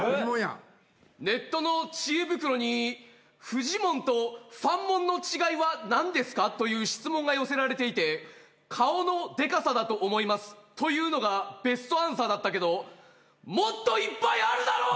ネットの知恵袋に「フジモンとファンモンの違いは何ですか？」という質問が寄せられていて「顔のでかさだと思います」というのがベストアンサーだったけどもっといっぱいあるだろ！